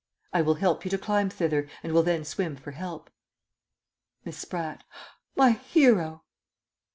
_ I will help you to climb thither, and will then swim for help. Miss Spratt. My hero!